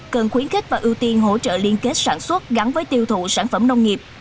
cần khuyến khích và ưu tiên hỗ trợ liên kết sản xuất gắn với tiêu thụ sản phẩm nông nghiệp